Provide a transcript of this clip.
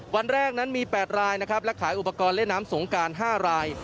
วันแรกนั้นมี๘รายนะครับและขายอุปกรณ์เล่นน้ำสงการ๕ราย